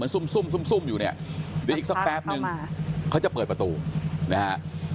เหมือนซุ่มอยู่เนี่ยแล้วอีกสักแป๊บนึงเค้าจะเปิดประตูนะฮะ